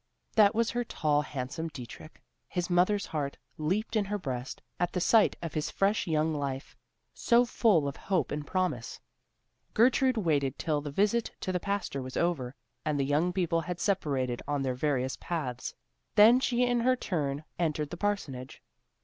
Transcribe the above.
That was her tall handsome Dietrich. His mother's heart leaped in her breast at the sight of his fresh young life, so full of hope and promise. Gertrude waited till the visit to the pastor was over, and the young people had separated on their various paths. Then she in her turn entered the parsonage.